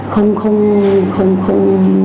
không không không không